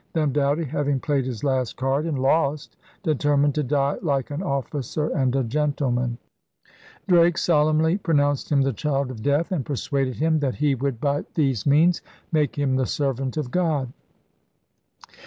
Then Doughty, having played his last card and lost, determined to die *like an officer and gentle man.' Drake solemnly 'pronounced him the child of Death and persuaded him that he would by these ' ENCOMPASSMENT OF ALL THE WORLDE ' 125 means make him the servant of God.'